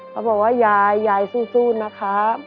เขาบอกว่ายายยายสู้นะครับ